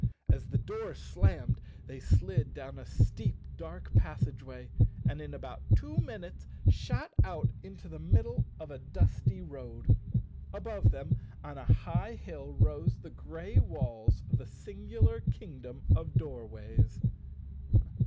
As the door slammed they slid down a steep dark passageway and in about two minutes shot out into the middle of a dusty road. Above them on a high hill rose the grey walls of the singular Kingdom of Doorways.